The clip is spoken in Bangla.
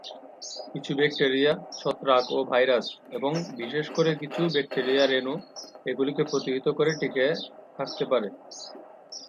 কিছু ব্যাকটেরিয়া, ছত্রাক ও ভাইরাস, এবং বিশেষ করে কিছু ব্যাকটেরিয়া রেণু, এগুলিকে প্রতিহত করে টিকে থাকতে পারে।